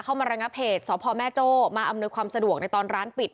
มาระงับเหตุสพแม่โจ้มาอำนวยความสะดวกในตอนร้านปิด